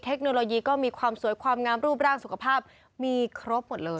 เทคโนโลยีก็มีความสวยความงามรูปร่างสุขภาพมีครบหมดเลย